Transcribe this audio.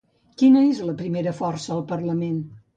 Quina és la primera força al Parlament?